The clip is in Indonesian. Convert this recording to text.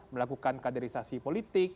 melakukan kaderisasi politik